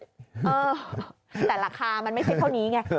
เออแต่ราคามันไม่ใช่เท่านี้ไง